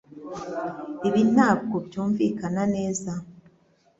Ibi ntabwo byumvikana neza